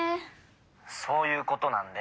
「そういうことなんで」